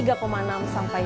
desy aritona jakarta